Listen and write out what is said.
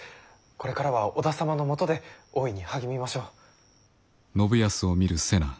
これからは織田様のもとで大いに励みましょう。